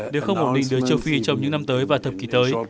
để không ổn định tới châu phi trong những năm tới và thập kỷ tới